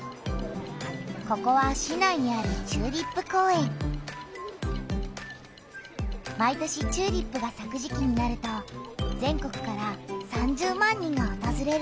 ここは市内にある毎年チューリップがさく時期になると全国から３０万人がおとずれる。